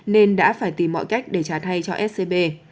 nên đã phải tìm mọi cách để trả thay cho scb